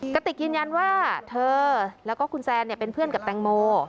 กระติกยืนยันว่าเธอแล้วก็คุณแซนเป็นเพื่อนกับแตงโม